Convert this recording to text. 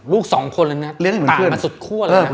ลูก๒คนแล้วนี่ต่างมาสุดคั่วเลย